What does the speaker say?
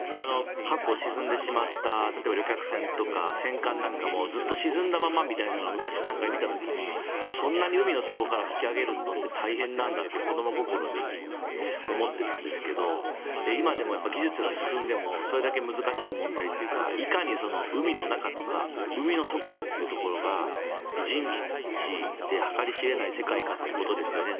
過去、沈んでしまった例えば旅客船とか戦艦なんかもずっと沈んだままみたいなものを昔、見た時にそんなに海の底から引き揚げるのって大変なんだと子ども心に思ってたんですが今でも技術が進んでもそれだけ難しい問題というかいかに海の中とか海の底というところが人知で計り知れない世界かということですよね。